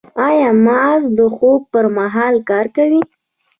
ایا مغز د خوب پر مهال کار کوي؟